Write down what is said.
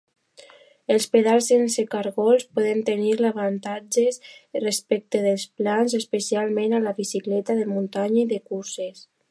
Els pedals sense cargols poden tenir avantatges respecte dels plans, especialment a la bicicleta de muntanya i de curses.